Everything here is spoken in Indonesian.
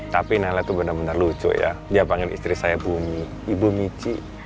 tapi nenek itu benar benar lucu ya dia panggil istri saya bumi ibu michi